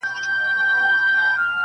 د غيرت او بېغيرتۍ تر منځ يو قدم فاصله ده.